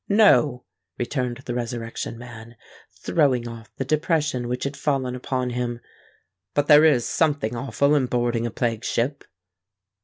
"No," returned the Resurrection Man, throwing off the depression which had fallen upon him. "But there is something awful in boarding a plague ship."